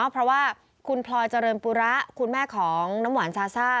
เพราะว่าคุณพลอยเจริญปุระคุณแม่ของน้ำหวานซาซ่า